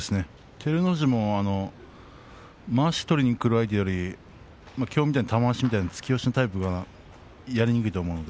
照ノ富士もまわしを取りにくる相手よりもきょうのような玉鷲のような突き押しのほうがやりにくいと思います。